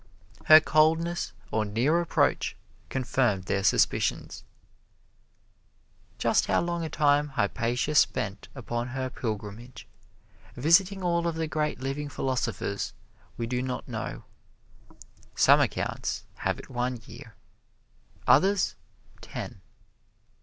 Her coldness on near approach confirmed their suspicions. Just how long a time Hypatia spent upon her pilgrimage, visiting all of the great living philosophers, we do not know. Some accounts have it one year, others ten.